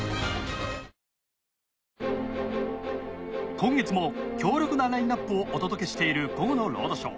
今月も強力なラインアップをお届けしている『午後のロードショー』。